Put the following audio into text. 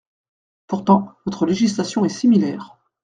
Pourtant, notre législation est similaire.